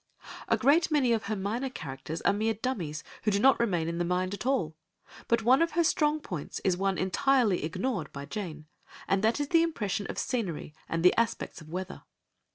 A great many of her minor characters are mere dummies who do not remain in the mind at all. But one of her strong points is one entirely ignored by Jane, and that is the impression of scenery and the aspects of weather.